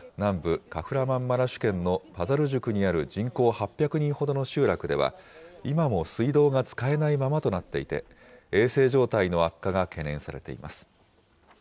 パザルジュクにある人口８００人ほどの集落では、今も水道が使えないままとなっていて、衛生状態の悪化が懸念されています。